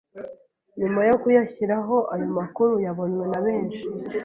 Nyuma yo kuyashyiraho ayo makuru yabonywe nabenshi